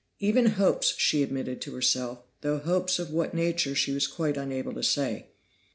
Even hopes, she admitted to herself, though hopes of what nature she was quite unable to say.